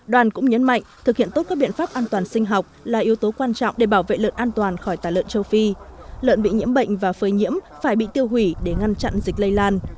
đoàn cũng nhấn mạnh thực hiện tốt các biện pháp an toàn sinh học là yếu tố quan trọng để bảo vệ lợn an toàn khỏi tà lợn châu phi lợn bị nhiễm bệnh và phơi nhiễm phải bị tiêu hủy để ngăn chặn dịch lây lan